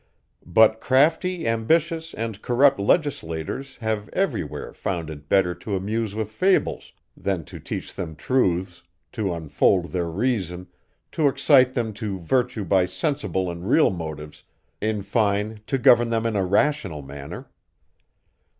But crafty, ambitious and corrupt legislators, have every where found it better to amuse with fables, than to teach them truths, to unfold their reason, to excite them to virtue by sensible and real motives, in fine, to govern them in a rational manner.